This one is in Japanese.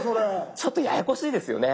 ちょっとややこしいですよね。